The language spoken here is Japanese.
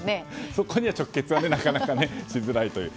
そこには直結はなかなかしづらいという。